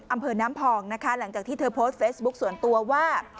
อำเภอน้ำพองนะคะหลังจากที่เธอโพสต์เฟซบุ๊คส่วนตัวว่า